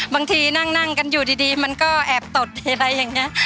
บางทีนั่งกันอยู่ดีมันก็แอบตดอะไรอย่างนี้